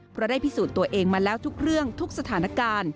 เพราะได้พิสูจน์ตัวเองมาแล้วทุกเรื่องทุกสถานการณ์